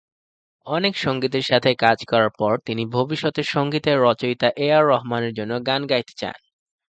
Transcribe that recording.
অনেক সংগীতের সাথে কাজ করার পর, তিনি ভবিষ্যতে সঙ্গীতের রচয়িতা এ আর রহমানের জন্য গান গাইতে চান।